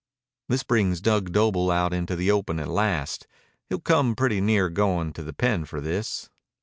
"This brings Dug Doble out into the open at last. He'll come pretty near going to the pen for this."